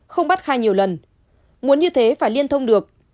không bắt khai nhiều lần muốn như thế phải liên thông được